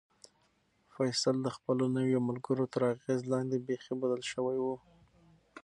فیصل د خپلو نویو ملګرو تر اغېز لاندې بیخي بدل شوی و.